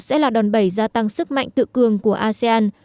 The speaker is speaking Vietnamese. sẽ là đòn bẩy gia tăng sức mạnh tự cường của asean